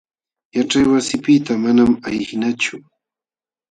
Yaćhay wasipiqta manam ayqinachu.